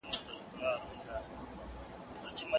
ارمانونه به دي پوره نشې، ځکه چې ته ناشکره یې.